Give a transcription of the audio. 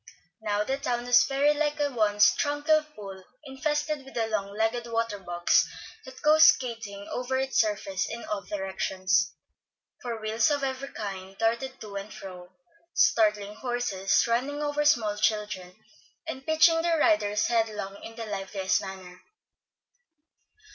Now the town was very like a once tranquil pool infested with the long legged water bugs that go skating over its surface in all directions; for wheels of every kind darted to and fro, startling horses, running over small children, and pitching their riders headlong in the liveliest manner.